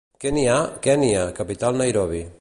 —Què n'hi ha? —Kènia, capital Nairobi.